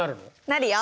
なるよ！